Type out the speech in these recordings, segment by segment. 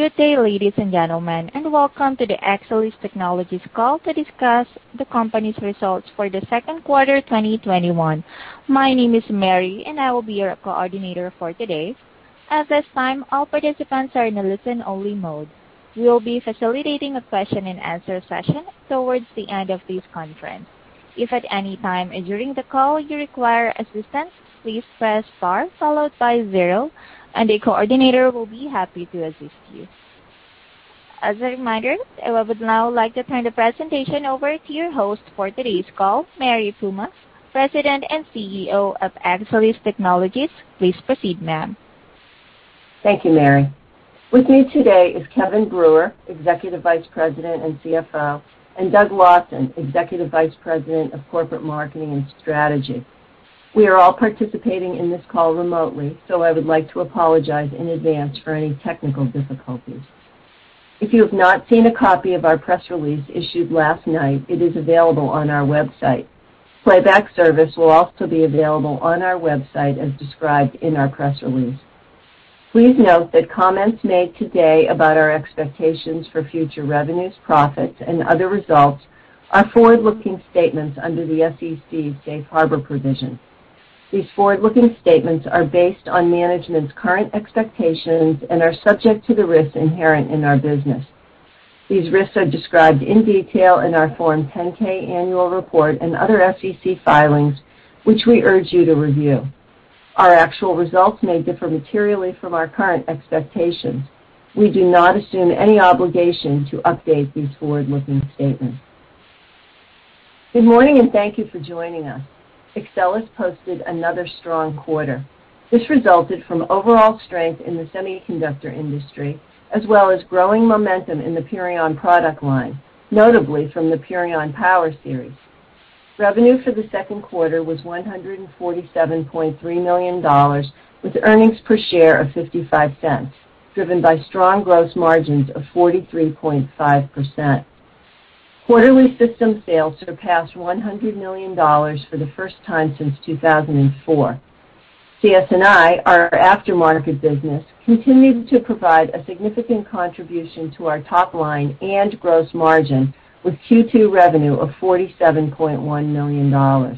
Good day, ladies and gentlemen, welcome to the Axcelis Technologies call to discuss the company's results for the second quarter 2021. My name is Mary, I will be your coordinator for today. At this time, all participants are in a listen-only mode. We will be facilitating a question and answer session towards the end of this conference. If at any time during the call you require assistance, please press star followed by zero, a coordinator will be happy to assist you. As a reminder, I would now like to turn the presentation over to your host for today's call, Mary Puma, President and CEO of Axcelis Technologies. Please proceed, ma'am. Thank you, Mary. With me today is Kevin Brewer, Executive Vice President and CFO, and Doug Lawson, Executive Vice President of Corporate Marketing and Strategy. We are all participating in this call remotely, so I would like to apologize in advance for any technical difficulties. If you have not seen a copy of our press release issued last night, it is available on our website. Playback service will also be available on our website as described in our press release. Please note that comments made today about our expectations for future revenues, profits, and other results are forward-looking statements under the SEC's safe harbor provisions. These forward-looking statements are based on management's current expectations and are subject to the risks inherent in our business. These risks are described in detail in our Form 10-K annual report and other SEC filings, which we urge you to review. Our actual results may differ materially from our current expectations. We do not assume any obligation to update these forward-looking statements. Good morning and thank you for joining us. Axcelis posted another strong quarter. This resulted from overall strength in the semiconductor industry, as well as growing momentum in the Purion product line, notably from the Purion Power Series. Revenue for the second quarter was $147.3 million with earnings per share of $0.55, driven by strong gross margins of 43.5%. Quarterly system sales surpassed $100 million for the first time since 2004. CS&I, our aftermarket business, continued to provide a significant contribution to our top line and gross margin with Q2 revenue of $47.1 million.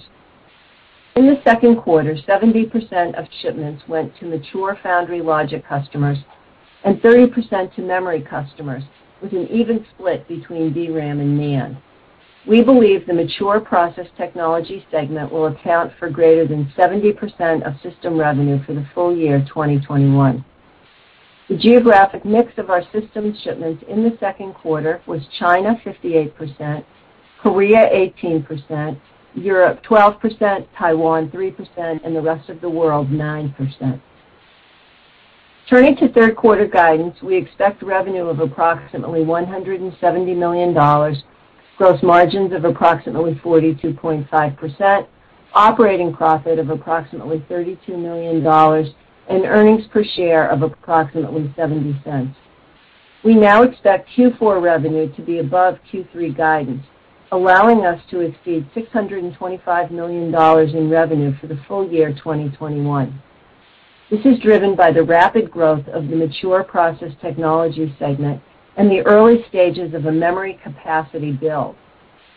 In the second quarter, 70% of shipments went to mature foundry logic customers and 30% to memory customers, with an even split between DRAM and NAND. We believe the mature process technology segment will account for greater than 70% of system revenue for the full year 2021. The geographic mix of our systems shipments in the second quarter was China 58%, Korea 18%, Europe 12%, Taiwan 3%, and the rest of the world 9%. Turning to third quarter guidance, we expect revenue of approximately $170 million, gross margins of approximately 42.5%, operating profit of approximately $32 million, and earnings per share of approximately $0.70. We now expect Q4 revenue to be above Q3 guidance, allowing us to exceed $625 million in revenue for the full year 2021. This is driven by the rapid growth of the mature process technology segment and the early stages of a memory capacity build.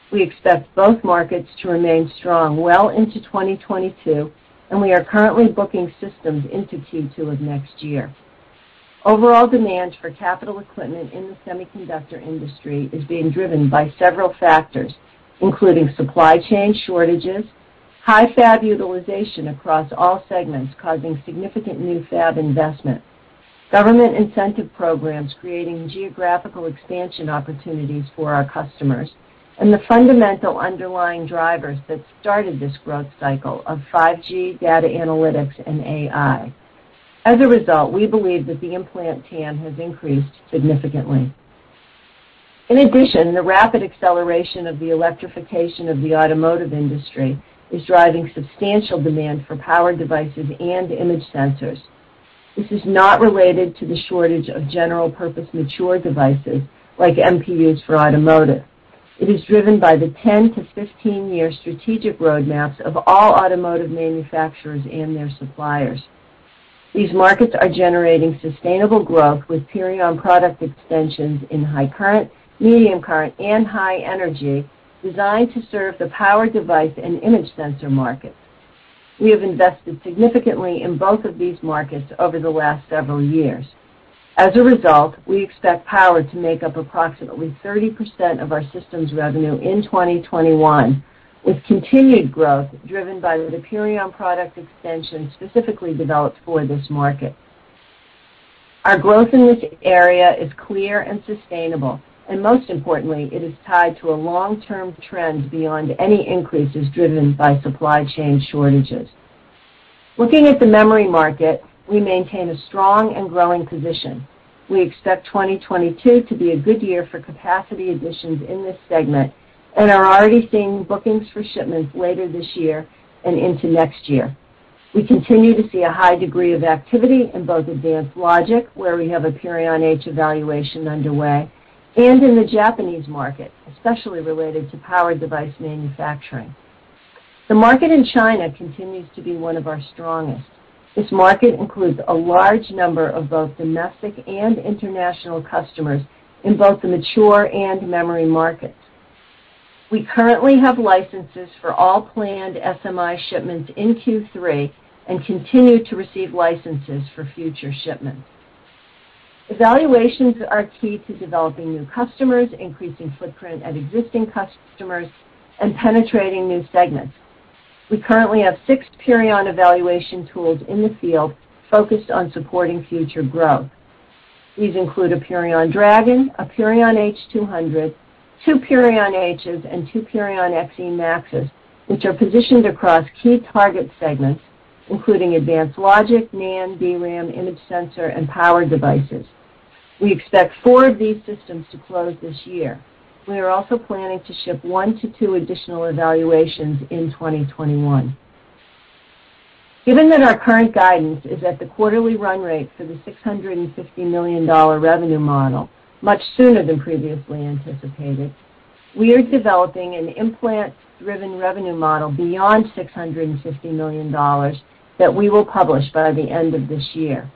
We expect both markets to remain strong well into 2022, and we are currently booking systems into Q2 of next year. Overall demand for capital equipment in the semiconductor industry is being driven by several factors, including supply chain shortages, high fab utilization across all segments causing significant new fab investment, government incentive programs creating geographical expansion opportunities for our customers, and the fundamental underlying drivers that started this growth cycle of 5G data analytics and AI. As a result, we believe that the ion implant TAM has increased significantly. In addition, the rapid acceleration of the electrification of the automotive industry is driving substantial demand for power devices and image sensors. This is not related to the shortage of general-purpose mature devices like MPUs for automotive. It is driven by the 10-15 year strategic roadmaps of all automotive manufacturers and their suppliers. These markets are generating sustainable growth with Purion product extensions in high current, medium current, and high energy designed to serve the power device and image sensor markets. We have invested significantly in both of these markets over the last several years. As a result, we expect power to make up approximately 30% of our systems revenue in 2021, with continued growth driven by the Purion product extension specifically developed for this market. Our growth in this area is clear and sustainable, and most importantly, it is tied to a long-term trend beyond any increases driven by supply chain shortages. Looking at the memory market, we maintain a strong and growing position. We expect 2022 to be a good year for capacity additions in this segment and are already seeing bookings for shipments later this year and into next year. We continue to see a high degree of activity in both advanced logic, where we have a Purion H evaluation underway, and in the Japanese market, especially related to power device manufacturing. The market in China continues to be one of our strongest. This market includes a large number of both domestic and international customers in both the mature and memory markets. We currently have licenses for all planned SMIC shipments in Q3 and continue to receive licenses for future shipments. Evaluations are key to developing new customers, increasing footprint at existing customers, and penetrating new segments. We currently have six Purion evaluation tools in the field focused on supporting future growth. These include a Purion Dragon, a Purion H200, two Purion Hs, and two Purion XEmaxes, which are positioned across key target segments, including advanced logic, NAND, DRAM, image sensor, and power devices. We expect four of these systems to close this year. We are also planning to ship one to two additional evaluations in 2021. Given that our current guidance is at the quarterly run rate for the $650 million revenue model much sooner than previously anticipated, we are developing an implant-driven revenue model beyond $650 million that we will publish by the end of this year.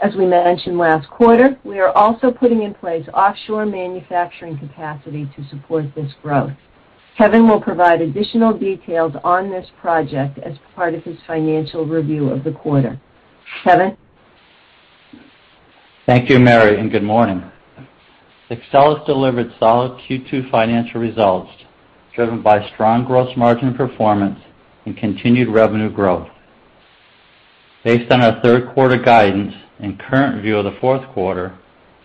As we mentioned last quarter, we are also putting in place offshore manufacturing capacity to support this growth. Kevin will provide additional details on this project as part of his financial review of the quarter. Kevin? Thank you, Mary, and good morning. Axcelis delivered solid Q2 financial results driven by strong gross margin performance and continued revenue growth. Based on our third quarter guidance and current view of the fourth quarter,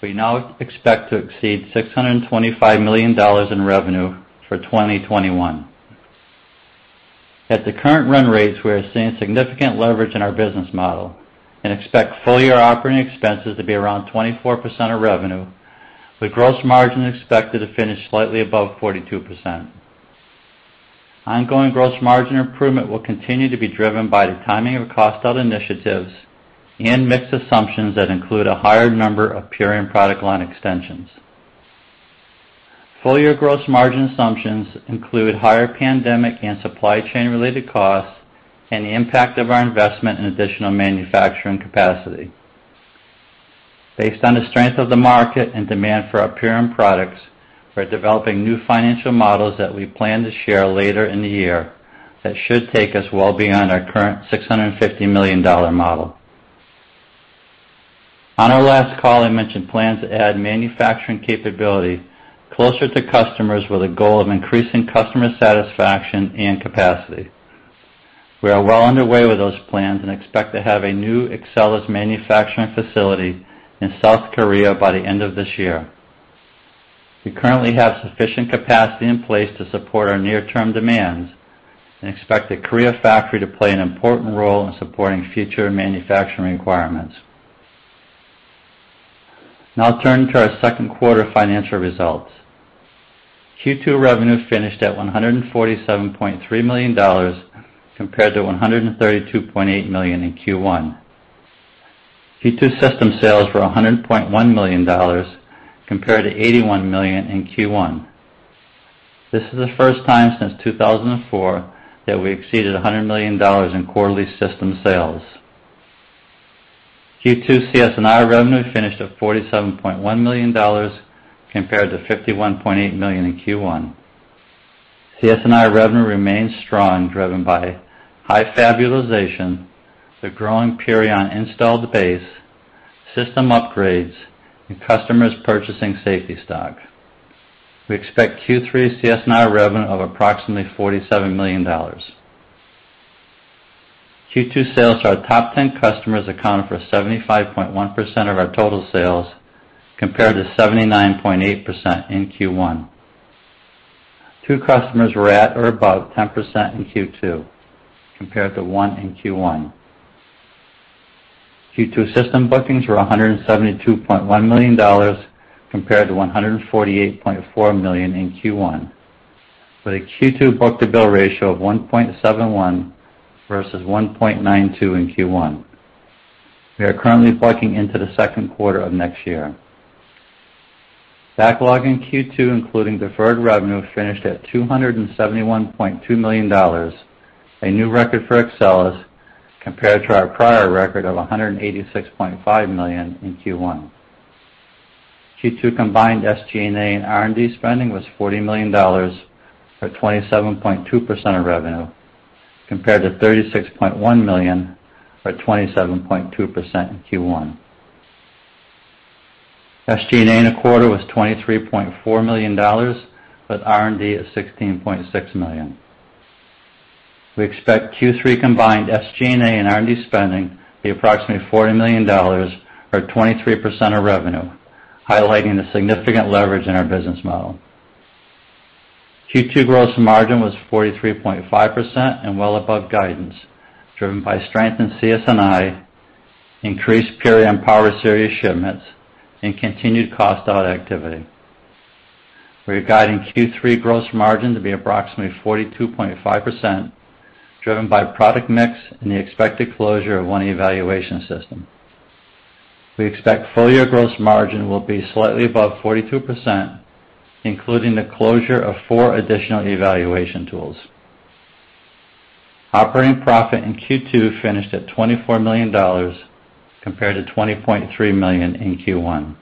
we now expect to exceed $625 million in revenue for 2021. At the current run rates, we are seeing significant leverage in our business model and expect full-year operating expenses to be around 24% of revenue, with gross margin expected to finish slightly above 42%. Ongoing gross margin improvement will continue to be driven by the timing of cost-out initiatives and mix assumptions that include a higher number of Purion product line extensions. Full-year gross margin assumptions include higher pandemic and supply chain-related costs and the impact of our investment in additional manufacturing capacity. Based on the strength of the market and demand for our Purion products, we're developing new financial models that we plan to share later in the year that should take us well beyond our current $650 million model. On our last call, I mentioned plans to add manufacturing capability closer to customers with a goal of increasing customer satisfaction and capacity. We are well underway with those plans and expect to have a new Axcelis manufacturing facility in South Korea by the end of this year. We currently have sufficient capacity in place to support our near-term demands and expect the Korea factory to play an important role in supporting future manufacturing requirements. Now turning to our second quarter financial results. Q2 revenue finished at $147.3 million, compared to $132.8 million in Q1. Q2 system sales were $100.1 million, compared to $81 million in Q1. This is the first time since 2004 that we exceeded $100 million in quarterly system sales. Q2 CS&I revenue finished at $47.1 million, compared to $51.8 million in Q1. CS&I revenue remains strong, driven by high fab utilization, the growing Purion installed base, system upgrades, and customers purchasing safety stock. We expect Q3 CS&I revenue of approximately $47 million. Q2 sales to our top 10 customers accounted for 75.1% of our total sales, compared to 79.8% in Q1. Two customers were at or above 10% in Q2, compared to one in Q1. Q2 system bookings were $172.1 million, compared to $148.4 million in Q1, with a Q2 book-to-bill ratio of 1.71 versus 1.92 in Q1. We are currently booking into the second quarter of next year. Backlog in Q2, including deferred revenue, finished at $271.2 million, a new record for Axcelis, compared to our prior record of $186.5 million in Q1. Q2 combined SG&A and R&D spending was $40 million, or 27.2% of revenue, compared to $36.1 million, or 27.2%, in Q1. SG&A in the quarter was $23.4 million, with R&D at $16.6 million. We expect Q3 combined SG&A and R&D spending to be approximately $40 million, or 23% of revenue, highlighting the significant leverage in our business model. Q2 gross margin was 43.5% and well above guidance, driven by strength in CS&I, increased Purion Power Series shipments, and continued cost-out activity. We are guiding Q3 gross margin to be approximately 42.5%, driven by product mix and the expected closure of one evaluation system. We expect full-year gross margin will be slightly above 42%, including the closure of four additional evaluation tools. Operating profit in Q2 finished at $24 million, compared to $20.3 million in Q1.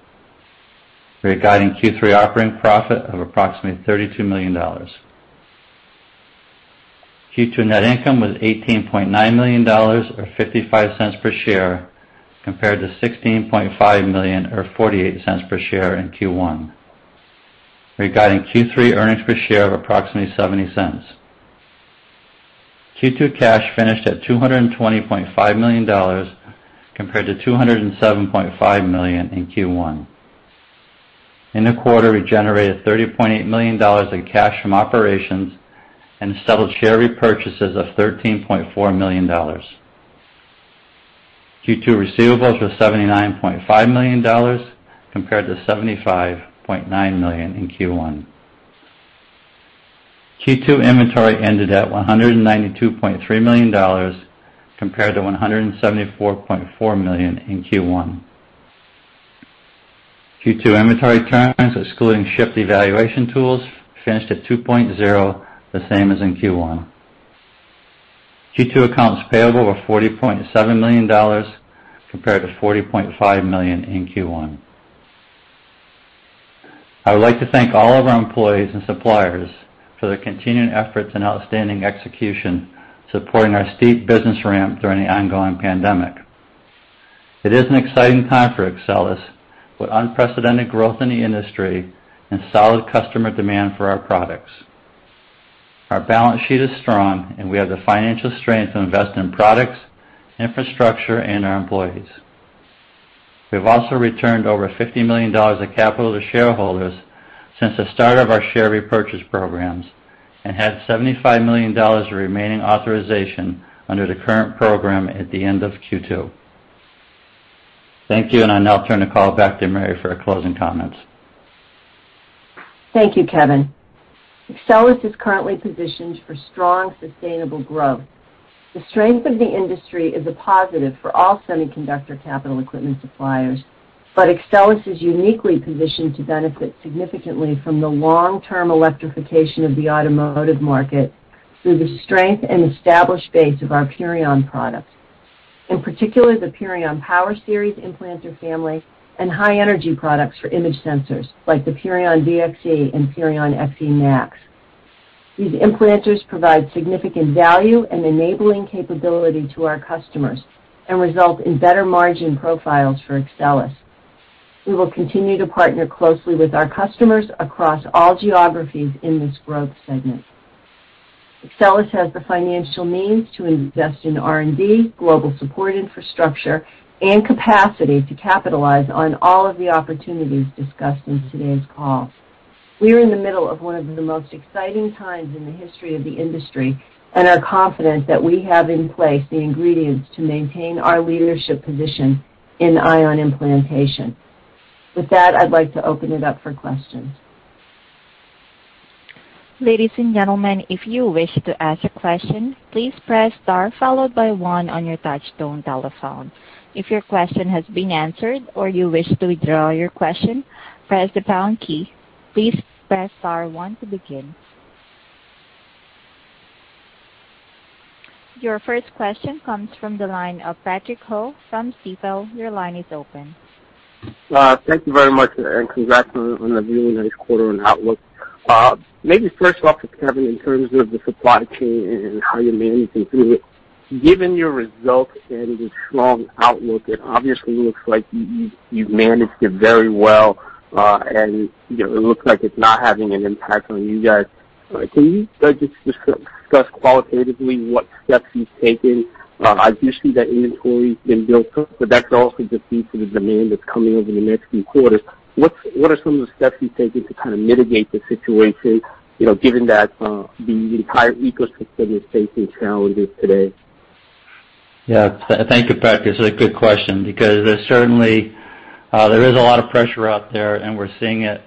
We are guiding Q3 operating profit of approximately $32 million. Q2 net income was $18.9 million, or $0.55 per share, compared to $16.5 million or $0.48 per share in Q1. We are guiding Q3 earnings per share of approximately $0.70. Q2 cash finished at $220.5 million, compared to $207.5 million in Q1. In the quarter, we generated $30.8 million in cash from operations and settled share repurchases of $13.4 million. Q2 receivables were $79.5 million, compared to $75.9 million in Q1. Q2 inventory ended at $192.3 million, compared to $174.4 million in Q1. Q2 inventory turns, excluding shipped evaluation tools, finished at 2.0, the same as in Q1. Q2 accounts payable were $40.7 million, compared to $40.5 million in Q1. I would like to thank all of our employees and suppliers for their continuing efforts and outstanding execution, supporting our steep business ramp during the ongoing pandemic. It is an exciting time for Axcelis, with unprecedented growth in the industry and solid customer demand for our products. Our balance sheet is strong, and we have the financial strength to invest in products, infrastructure, and our employees. We've also returned over $50 million of capital to shareholders since the start of our share repurchase programs and had $75 million of remaining authorization under the current program at the end of Q2. Thank you. I now turn the call back to Mary for her closing comments. Thank you, Kevin. Axcelis is currently positioned for strong, sustainable growth. The strength of the industry is a positive for all semiconductor capital equipment suppliers, but Axcelis is uniquely positioned to benefit significantly from the long-term electrification of the automotive market through the strength and established base of our Purion products, in particular, the Purion Power Series implanter family and high-energy products for image sensors, like the Purion VXE and Purion XEmax. These implanters provide significant value and enabling capability to our customers and result in better margin profiles for Axcelis. We will continue to partner closely with our customers across all geographies in this growth segment. Axcelis has the financial means to invest in R&D, global support infrastructure, and capacity to capitalize on all of the opportunities discussed in today's call. We are in the middle of one of the most exciting times in the history of the industry and are confident that we have in place the ingredients to maintain our leadership position in ion implantation. With that, I'd like to open it up for questions. Your first question comes from the line of Patrick Ho from Stifel. Your line is open. Thank you very much, and congrats on a really nice quarter and outlook. Maybe first off, Kevin, in terms of the supply chain and how you're managing through it, given your results and the strong outlook, it obviously looks like you've managed it very well. It looks like it's not having an impact on you guys. Can you just discuss qualitatively what steps you've taken? I do see that inventory's been built up, but that's also just due to the demand that's coming over the next few quarters. What are some of the steps you've taken to kind of mitigate the situation, given that the entire ecosystem is facing challenges today? Yeah. Thank you, Patrick. It's a good question because certainly, there is a lot of pressure out there, and we're seeing it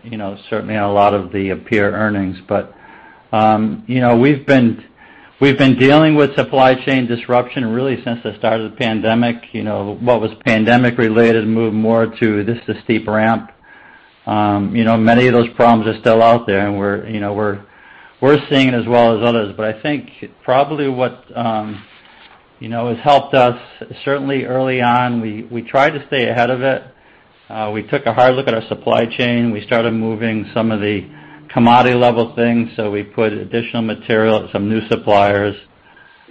certainly in a lot of the peer earnings. We've been dealing with supply chain disruption really since the start of the pandemic. What was pandemic-related moved more to just a steep ramp. Many of those problems are still out there, and we're seeing it as well as others. I think probably what has helped us, certainly early on, we tried to stay ahead of it. We took a hard look at our supply chain. We started moving some of the commodity-level things, so we put additional material at some new suppliers.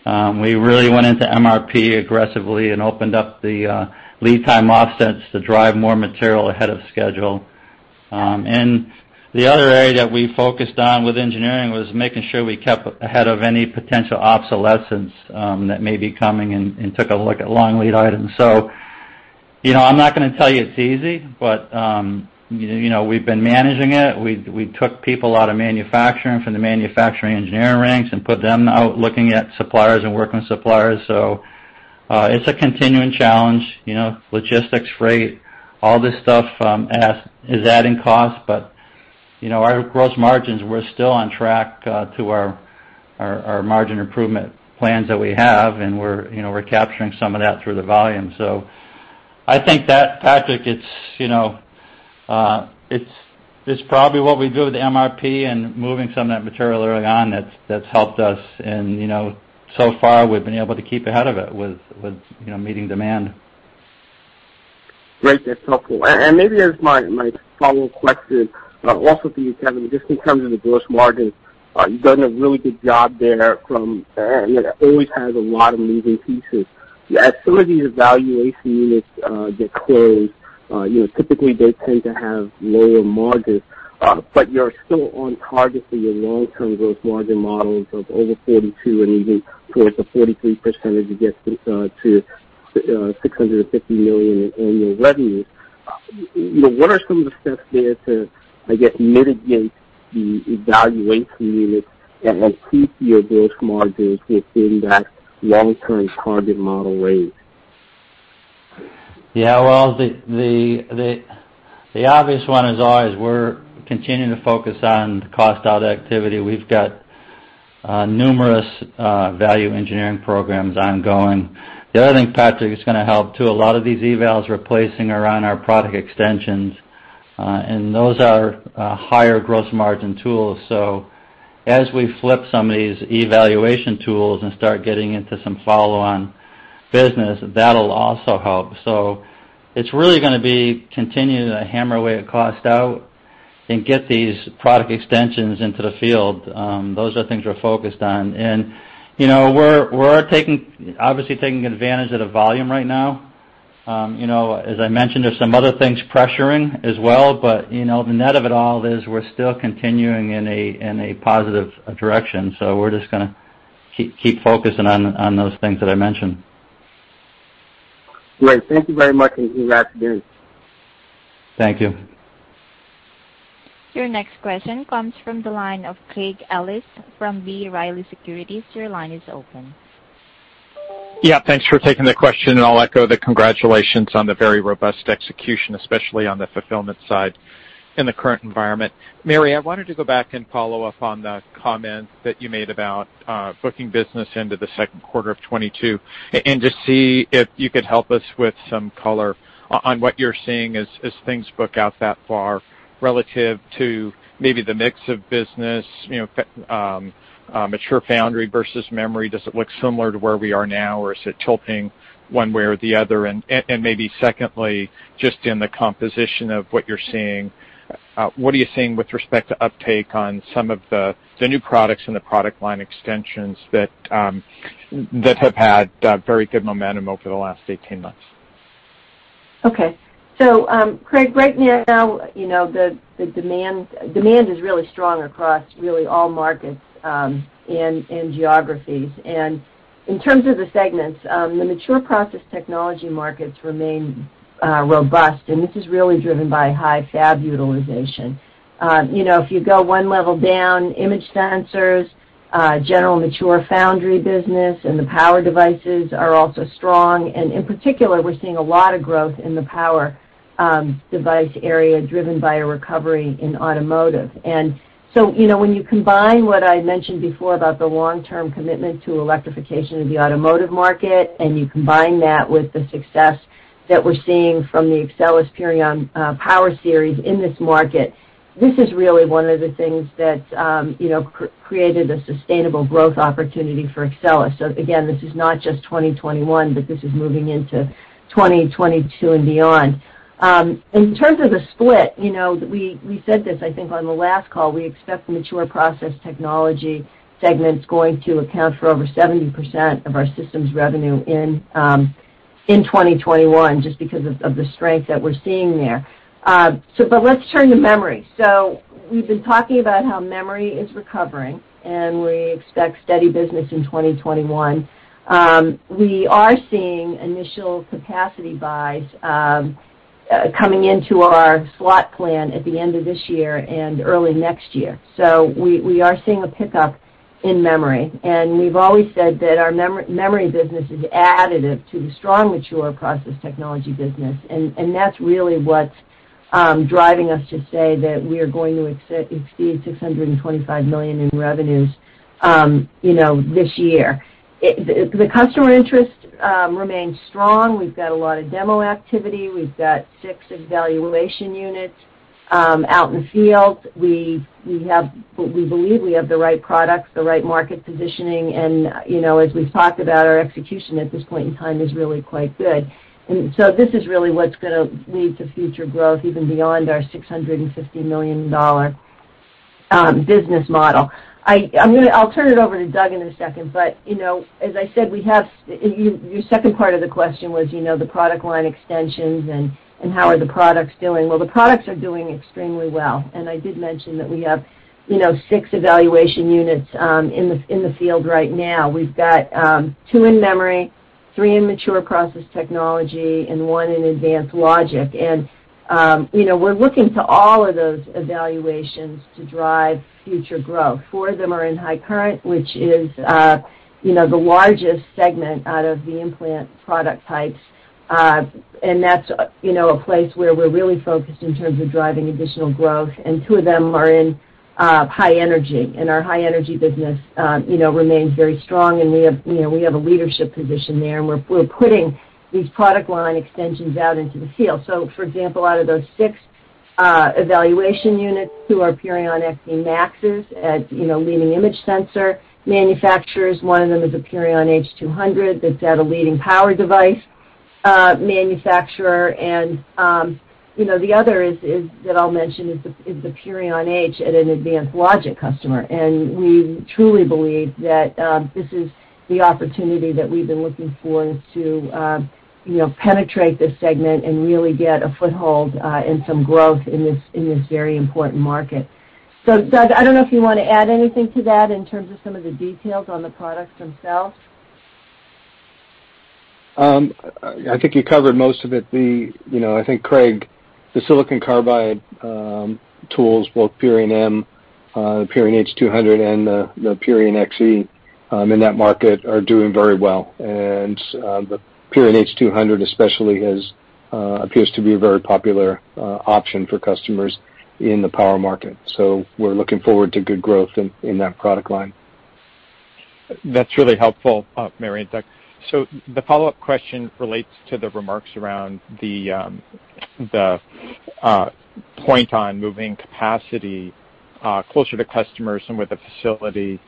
We really went into MRP aggressively and opened up the lead time offsets to drive more material ahead of schedule. The other area that we focused on with engineering was making sure we kept ahead of any potential obsolescence that may be coming and took a look at long lead items. I'm not going to tell you it's easy, but we've been managing it. We took people out of manufacturing from the manufacturing engineering ranks and put them out looking at suppliers and working with suppliers. It's a continuing challenge. Logistics, freight, all this stuff is adding cost, but our gross margins, we're still on track to our margin improvement plans that we have, and we're capturing some of that through the volume. I think that, Patrick, it's probably what we do with the MRP and moving some of that material early on that's helped us. So far, we've been able to keep ahead of it with meeting demand. Great. That's helpful. Maybe as my follow-up question, but also for you, Kevin, just in terms of the gross margin, you've done a really good job there. It always has a lot of moving pieces. As some of these evaluation units get closed, typically they tend to have lower margins, but you're still on target for your long-term gross margin models of over 42% and even towards the 43% as you get to $650 million in annual revenue. What are some of the steps there to mitigate the evaluation units and keep your gross margins within that long-term target model range? Yeah. Well, the obvious one is always we're continuing to focus on cost out activity. We've got numerous value engineering programs ongoing. The other thing, Patrick, that's going to help too, a lot of these evals replacing around our product extensions. Those are higher gross margin tools. As we flip some of these evaluation tools and start getting into some follow-on business, that'll also help. It's really going to be continuing to hammer away at cost out and get these product extensions into the field. Those are the things we're focused on. We're obviously taking advantage of the volume right now. As I mentioned, there's some other things pressuring as well. The net of it all is we're still continuing in a positive direction. We're just going to keep focusing on those things that I mentioned. Great. Thank you very much, and with that, I'm done. Thank you. Your next question comes from the line of Craig Ellis from B. Riley Securities. Your line is open. Yeah. Thanks for taking the question, and I'll echo the congratulations on the very robust execution, especially on the fulfillment side in the current environment. Mary, I wanted to go back and follow up on the comment that you made about booking business into the second quarter of 2022, and to see if you could help us with some color on what you're seeing as things book out that far relative to maybe the mix of business, mature foundry versus memory. Does it look similar to where we are now, or is it tilting one way or the other? Maybe secondly, just in the composition of what you're seeing, what are you seeing with respect to uptake on some of the new products and the product line extensions that have had very good momentum over the last 18 months? Okay. Craig, right now, the demand is really strong across really all markets and geographies. In terms of the segments, the mature process technology markets remain robust, and this is really driven by high fab utilization. If you go one level down, image sensors, general mature foundry business, and the power devices are also strong. In particular, we're seeing a lot of growth in the power device area, driven by a recovery in automotive. When you combine what I mentioned before about the long-term commitment to electrification of the automotive market, and you combine that with the success that we're seeing from the Axcelis Purion Power Series in this market, this is really one of the things that created a sustainable growth opportunity for Axcelis. Again, this is not just 2021, but this is moving into 2022 and beyond. In terms of the split, we said this, I think, on the last call, we expect the mature process technology segments going to account for over 70% of our systems revenue in 2021, just because of the strength that we're seeing there. Let's turn to memory. We've been talking about how memory is recovering, and we expect steady business in 2021. We are seeing initial capacity buys coming into our slot plan at the end of this year and early next year. We are seeing a pickup in memory, and we've always said that our memory business is additive to the strong mature process technology business, and that's really what's driving us to say that we are going to exceed $625 million in revenues this year. The customer interest remains strong. We've got a lot of demo activity. We've got six evaluation units out in the field. We believe we have the right products, the right market positioning, and as we've talked about, our execution at this point in time is really quite good. This is really what's going to lead to future growth, even beyond our $650 million business model. I'll turn it over to Doug in a second, but as I said, your second part of the question was the product line extensions and how are the products doing. Well, the products are doing extremely well, and I did mention that we have six evaluation units in the field right now. We've got two in memory, three in mature process technology, and one in advanced logic. We're looking to all of those evaluations to drive future growth. Four of them are in high current, which is the largest segment out of the ion implant product types. That's a place where we're really focused in terms of driving additional growth, and two of them are in high energy. Our high energy business remains very strong, and we have a leadership position there, and we're putting these product line extensions out into the field. For example, out of those six evaluation units, two are Purion XEmaxes at leading image sensor manufacturers. One of them is a Purion H200 that's at a leading power device manufacturer. The other that I'll mention is the Purion H at an advanced logic customer. We truly believe that this is the opportunity that we've been looking for to penetrate this segment and really get a foothold and some growth in this very important market. Doug, I don't know if you want to add anything to that in terms of some of the details on the products themselves. I think you covered most of it. I think, Craig, the silicon carbide tools, both Purion M, Purion H200, and the Purion XE in that market are doing very well. The Purion H200 especially appears to be a very popular option for customers in the power market. We're looking forward to good growth in that product line. That's really helpful, Mary and Doug. The follow-up question relates to the remarks around the point on moving capacity closer to customers and with the facility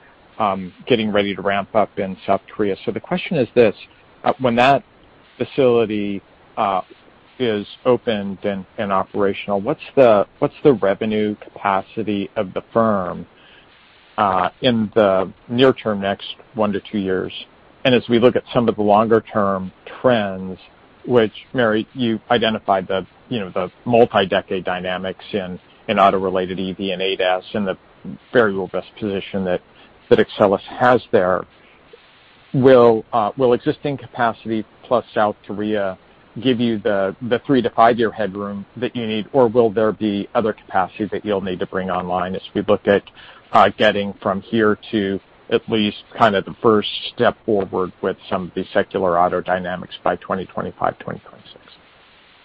getting ready to ramp up in South Korea. The question is this. When that facility is opened and operational, what's the revenue capacity of the firm in the near term, next one to two years? As we look at some of the longer-term trends, which Mary, you identified the multi-decade dynamics in auto-related EV and ADAS, and the very robust position that Axcelis has there, will existing capacity plus South Korea give you the three to five-year headroom that you need, or will there be other capacity that you'll need to bring online as we look at getting from here to at least kind of the first step forward with some of the secular auto dynamics by 2025, 2026?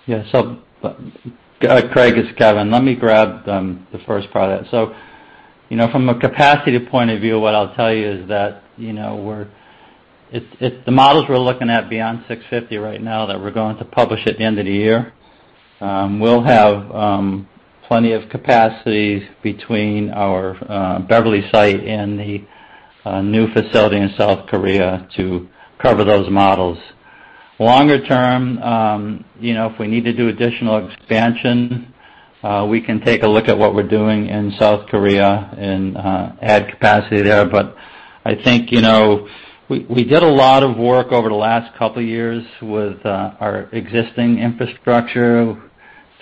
Yeah. Craig, it's Kevin. Let me grab the first part of that. From a capacity point of view, what I'll tell you is that the models we're looking at beyond 650 right now that we're going to publish at the end of the year, we'll have plenty of capacity between our Beverly site and the new facility in South Korea to cover those models. Longer term, if we need to do additional expansion, we can take a look at what we're doing in South Korea and add capacity there. I think we did a lot of work over the last couple of years with our existing infrastructure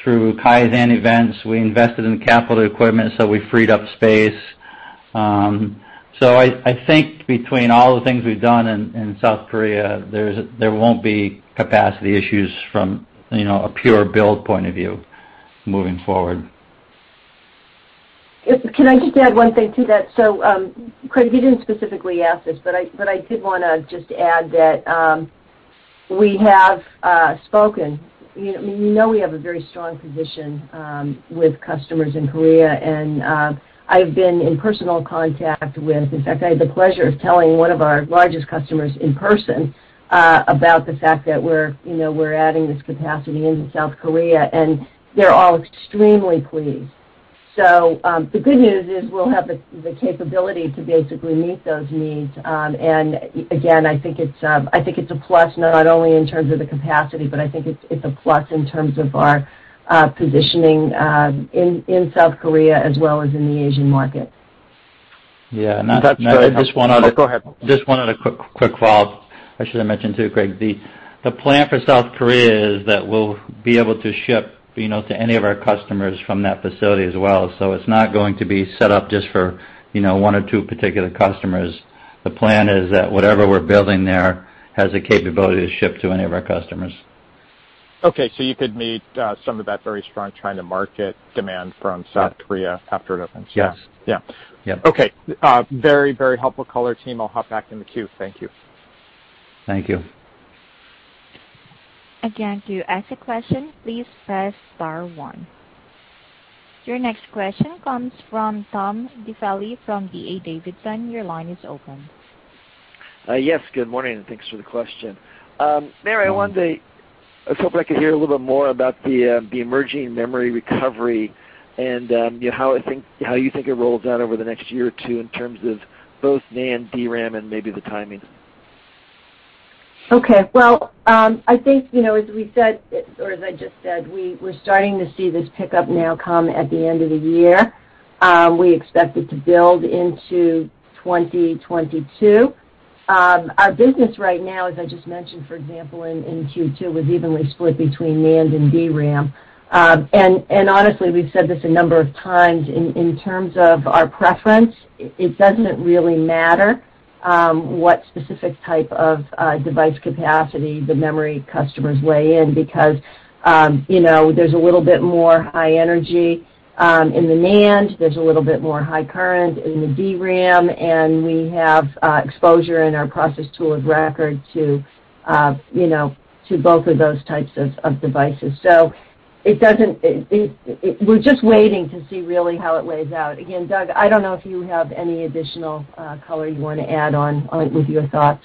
through kaizen events. We invested in capital equipment, we freed up space. I think between all the things we've done in South Korea, there won't be capacity issues from a pure build point of view moving forward. Can I just add one thing to that? Craig, you didn't specifically ask this, but I did want to just add that we have spoken. You know we have a very strong position with customers in Korea, and I've been in personal contact. In fact, I had the pleasure of telling one of our largest customers in person about the fact that we're adding this capacity into South Korea, and they're all extremely pleased. The good news is we'll have the capability to basically meet those needs. Again, I think it's a plus, not only in terms of the capacity, but I think it's a plus in terms of our positioning in South Korea as well as in the Asian market. Yeah. That's good. Go ahead. Just one other quick follow-up. I should have mentioned too, Craig, the plan for South Korea is that we'll be able to ship to any of our customers from that facility as well. It's not going to be set up just for one or two particular customers. The plan is that whatever we're building there has the capability to ship to any of our customers. Okay, you could meet some of that very strong China market demand from South Korea after it opens. Yes. Yeah. Yeah. Okay. Very helpful, color team. I'll hop back in the queue. Thank you. Thank you. Again to ask a question, please press star one. Your next question comes from Tom Diffely from D.A. Davidson. Your line is open. Yes, good morning, and thanks for the question. Mary, I was hoping I could hear a little bit more about the emerging memory recovery and how you think it rolls out over the next year or two in terms of both NAND, DRAM, and maybe the timing. Okay. Well, I think as we said, or as I just said, we're starting to see this pickup now come at the end of the year. We expect it to build into 2022. Our business right now, as I just mentioned, for example, in Q2, was evenly split between NAND and DRAM. Honestly, we've said this a number of times, in terms of our preference, it doesn't really matter what specific type of device capacity the memory customers weigh in, because there's a little bit more high energy in the NAND, there's a little bit more high current in the DRAM, and we have exposure in our process tool of record to both of those types of devices. We're just waiting to see really how it lays out. Again, Doug, I don't know if you have any additional color you want to add on with your thoughts.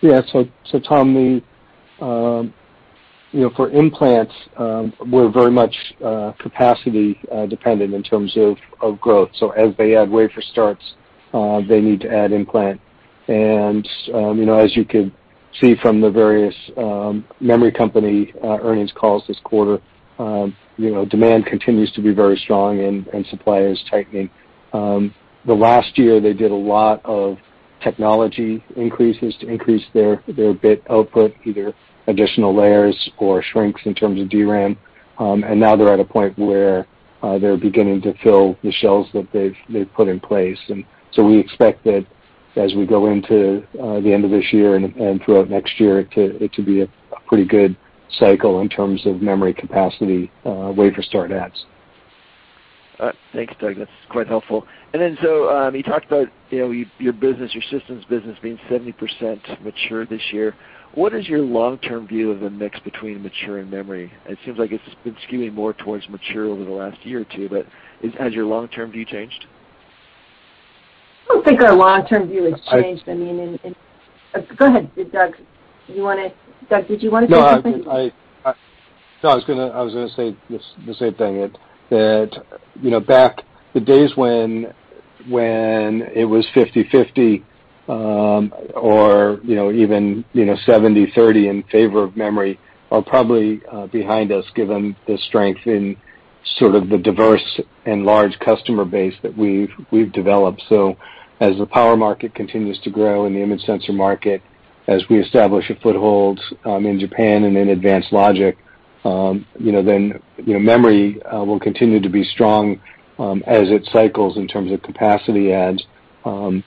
Yeah. Tom, for implants, we're very much capacity-dependent in terms of growth. As they add wafer starts, they need to add implant. As you could see from the various memory company earnings calls this quarter, demand continues to be very strong and supply is tightening. The last year, they did a lot of technology increases to increase their bit output, either additional layers or shrinks in terms of DRAM. Now they're at a point where they're beginning to fill the shelves that they've put in place. We expect that as we go into the end of this year and throughout next year, it to be a pretty good cycle in terms of memory capacity, wafer start adds. All right. Thanks, Douglas. That's quite helpful. You talked about your business, your systems business, being 70% mature this year. What is your long-term view of the mix between mature and memory? It seems like it's been skewing more towards mature over the last year or two, but has your long-term view changed? I don't think our long-term view has changed. I mean, Go ahead, Doug, did you want to say something? No, I was going to say the same thing. That back the days when it was 50/50, or even, 70/30 in favor of memory are probably behind us, given the strength in sort of the diverse and large customer base that we've developed. As the power market continues to grow and the image sensor market, as we establish a foothold in Japan and in advanced logic, then memory will continue to be strong, as it cycles in terms of capacity adds. I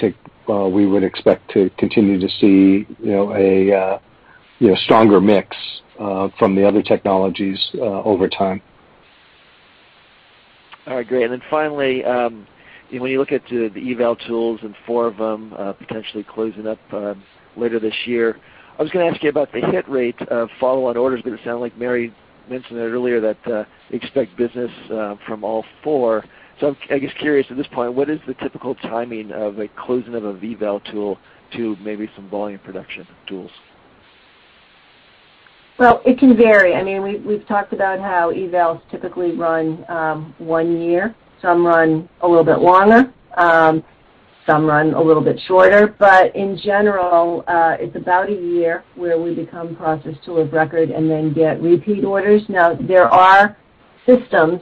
think we would expect to continue to see a stronger mix from the other technologies over time. All right, great. When you look at the eval tools and four of them potentially closing up later this year, I was going to ask you about the hit rate of follow-on orders, but it sounded like Mary mentioned it earlier, that they expect business from all four. I'm just curious at this point, what is the typical timing of a closing of a eval tool to maybe some volume production tools? Well, it can vary. We've talked about how evals typically run one year. Some run a little bit longer, some run a little bit shorter. In general, it's about one year where we become process tool of record and then get repeat orders. There are systems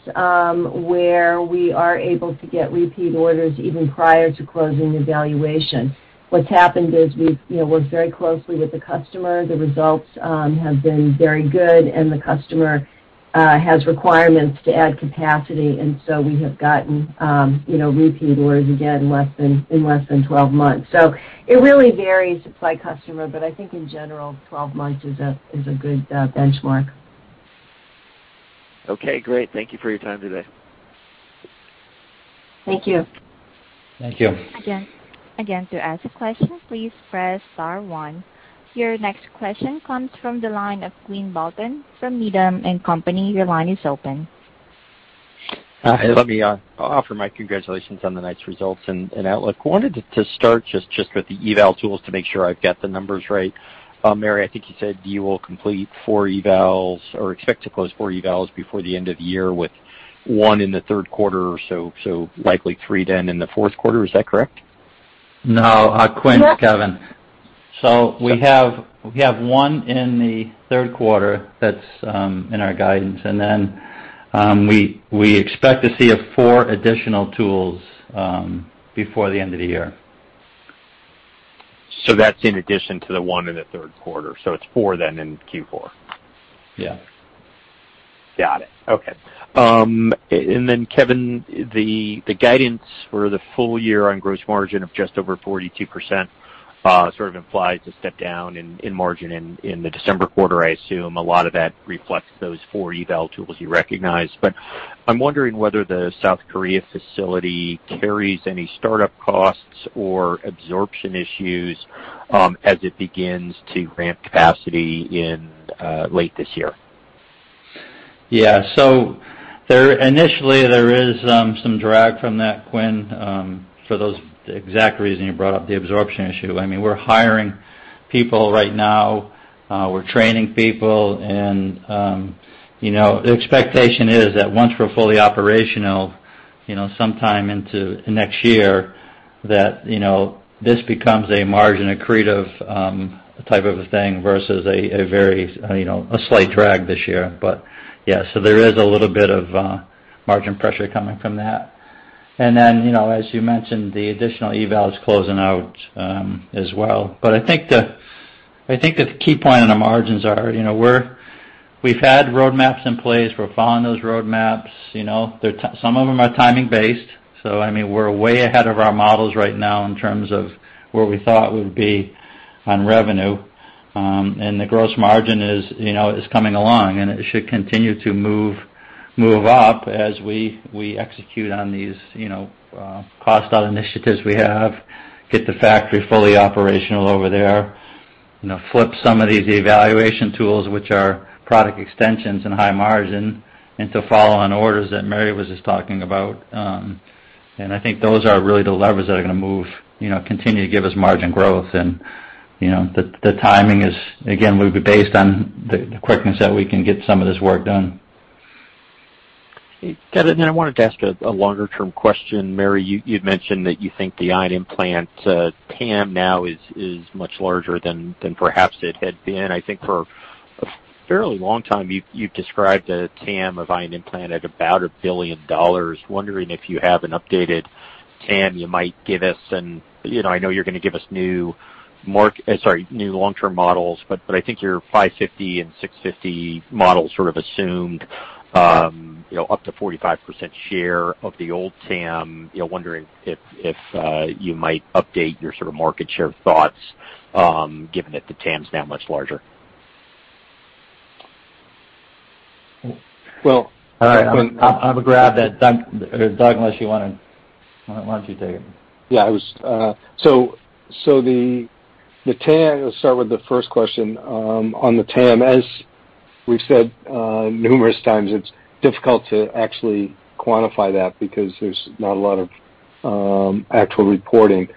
where we are able to get repeat orders even prior to closing evaluation. What's happened is we've worked very closely with the customer. The results have been very good, and the customer has requirements to add capacity. We have gotten repeat orders again in less than 12 months. It really varies by customer, but I think in general, 12 months is a good benchmark. Okay, great. Thank you for your time today. Thank you. Thank you. Again to ask a question, please press star one. Your next question comes from the line of Quinn Bolton from Needham & Company. Your line is open. Hi. Let me offer my congratulations on the night's results and outlook. Wanted to start just with the eval tools to make sure I've got the numbers right. Mary, I think you said you will complete four evals or expect to close four evals before the end of the year with one in the third quarter or so, likely three then in the fourth quarter. Is that correct? No. Quinn, it's Kevin. We have one in the third quarter that's in our guidance, and then we expect to see four additional tools before the end of the year. That's in addition to the one in the third quarter. It's four then in Q4. Yeah. Got it. Okay. Then, Kevin, the guidance for the full year on gross margin of just over 42% sort of implies a step down in margin in the December quarter. I assume a lot of that reflects those four eval tools you recognized. I'm wondering whether the South Korea facility carries any startup costs or absorption issues, as it begins to ramp capacity in late this year. Initially, there is some drag from that, Quinn, for those exact reasons you brought up, the absorption issue. We're hiring people right now. We're training people, and the expectation is that once we're fully operational, sometime into next year, that this becomes a margin-accretive type of a thing versus a slight drag this year. There is a little bit of margin pressure coming from that. As you mentioned, the additional eval is closing out as well. I think the key point on the margins are, we've had roadmaps in place. We're following those roadmaps. Some of them are timing-based. We're way ahead of our models right now in terms of where we thought we would be on revenue. The gross margin is coming along, and it should continue to move up as we execute on these cost out initiatives we have, get the factory fully operational over there, flip some of these evaluation tools, which are product extensions and high margin, into follow-on orders that Mary was just talking about. I think those are really the levers that are going to continue to give us margin growth. The timing is, again, will be based on the quickness that we can get some of this work done. Kevin, I wanted to ask a longer-term question. Mary, you'd mentioned that you think the ion implant TAM now is much larger than perhaps it had been. I think for a fairly long time you've described a TAM of ion implant at about $1 billion. Wondering if you have an updated TAM you might give us, and I know you're going to give us new long-term models, but I think your 550 and 650 models sort of assumed up to 45% share of the old TAM. Wondering if you might update your sort of market share thoughts, given that the TAM's now much larger. Well, I have a graph. Doug, unless you want to, why don't you take it? Yeah. I'll start with the first question on the TAM. As we've said numerous times, it's difficult to actually quantify that, because there's not a lot of actual reporting.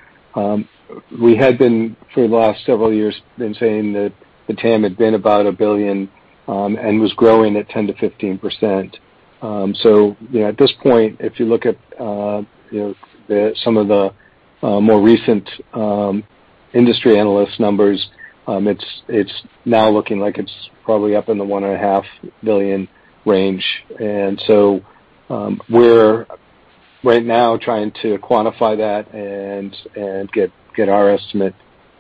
We had been, for the last several years, been saying that the TAM had been about $1 billion, and was growing at 10%-15%. At this point, if you look at some of the more recent industry analyst numbers, it's now looking like it's probably up in the $1.5 billion range. We're right now trying to quantify that and get our estimate.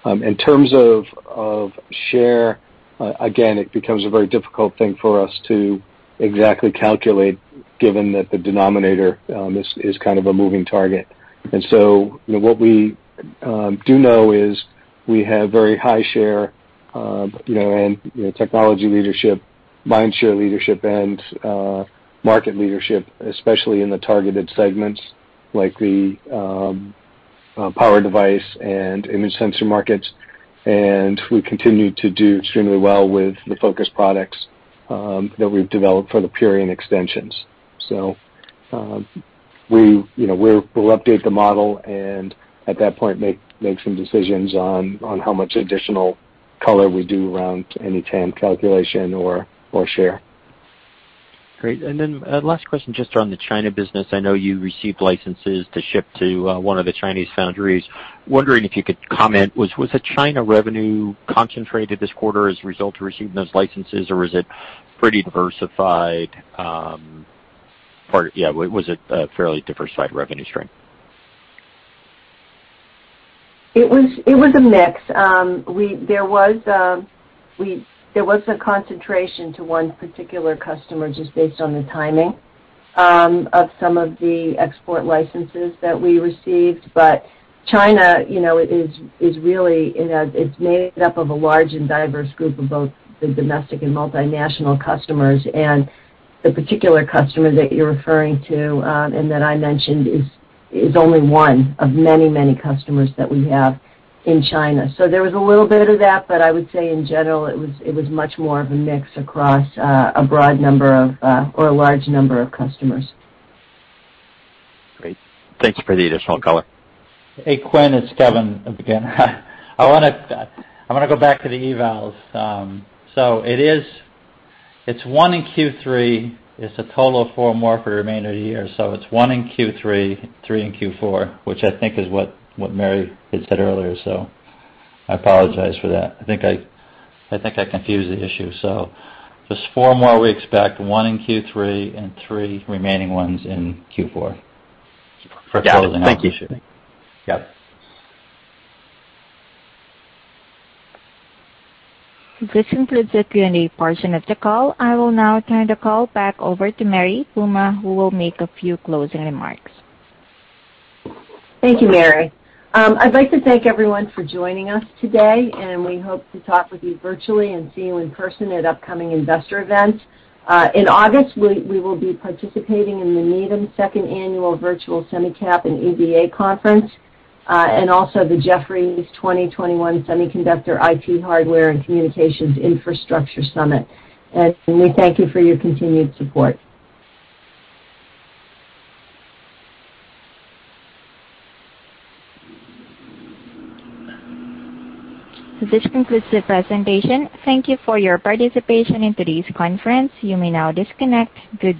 In terms of share, again, it becomes a very difficult thing for us to exactly calculate, given that the denominator is kind of a moving target. What we do know is we have very high share, and technology leadership, mind share leadership, and market leadership, especially in the targeted segments like the power device and image sensor markets. We continue to do extremely well with the focused products that we've developed for the Purion extensions. We'll update the model, and at that point, make some decisions on how much additional color we do around any TAM calculation or share. Great. Last question, just on the China business. I know you received licenses to ship to one of the Chinese foundries. Wondering if you could comment, was the China revenue concentrated this quarter as a result of receiving those licenses, or was it a fairly diversified revenue stream? It was a mix. There was a concentration to one particular customer, just based on the timing of some of the export licenses that we received. China is made up of a large and diverse group of both the domestic and multinational customers, and the particular customer that you're referring to, and that I mentioned, is only one of many customers that we have in China. There was a little bit of that, but I would say in general, it was much more of a mix across a broad number of, or a large number of customers. Great. Thank you for the additional color. Hey, Quinn, it's Kevin again. I want to go back to the evals. It's one in Q3. It's a total of four more for the remainder of the year. It's one in Q3, three in Q4, which I think is what Mary had said earlier. I apologize for that. I think I confused the issue. There's four more we expect, one in Q3, and three remaining ones in Q4 for closing out. Yeah. Thank you. Yep. This concludes the Q&A portion of the call. I will now turn the call back over to Mary Puma, who will make a few closing remarks. Thank you, Mary. I'd like to thank everyone for joining us today, and we hope to talk with you virtually and see you in person at upcoming investor events. In August, we will be participating in the Needham Second Annual Virtual Semicap and EDA Conference, and also the Jefferies 2021 Semiconductor, IT Hardware & Communications Infrastructure Summit. We thank you for your continued support. This concludes the presentation. Thank you for your participation in today's conference. You may now disconnect. Goodbye.